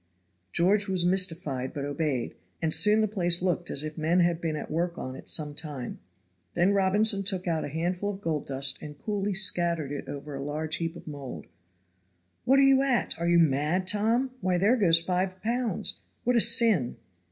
George was mystified but obeyed, and soon the place looked as if men had been at work on it some time. Then Robinson took out a handful of gold dust and coolly scattered it over a large heap of mould. "What are you at? Are you mad, Tom? Why, there goes five pounds. What a sin!"